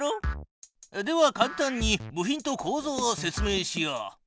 ではかん単に部品とこうぞうを説明しよう。